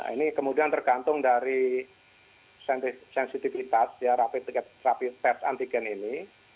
ini kemudian tergantung dari sensitivitas ya rapid rapi tes antigen ini